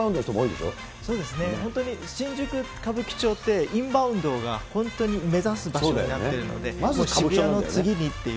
本当に新宿・歌舞伎町って、インバウンドが本当に目指す場所になってるので、まず渋谷の次にっていう。